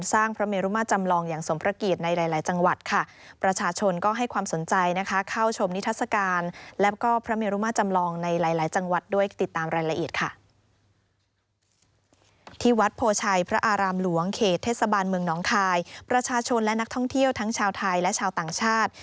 ทุกทศาบาลเมืองหนองคายประชาชนและนักท่องเที่ยวทั้งชาวไทยและชาวต่างชาติ